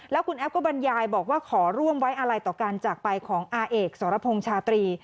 แล้วคุณแอฟก็บรรยายบอกว่าขอร่วมไว้อะไรต่อการจากไปของอาเอกสรพงษ์ชาตรี